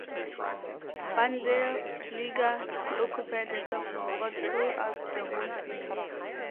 Bundesliga to occupy the top spot throughout the whole season.